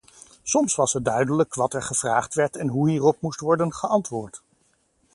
Soms was het duidelijk wat er gevraagd werd en hoe hierop moest worden geantwoord.